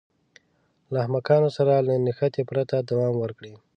له احمقانو سره له نښتې پرته دوام ورکړي.